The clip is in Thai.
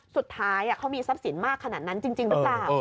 สุดท้ายเขามีทรัพย์สินมากขนาดนั้นจริงหรือเปล่า